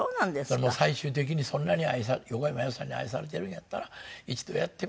最終的に「そんなに愛され横山やすしさんに愛されてるんやったら一度やってみたら？」。